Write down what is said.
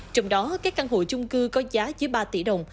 trong đó các căn hộ chung cư có giá dưới ba tỷ đồng